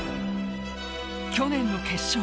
去年の決勝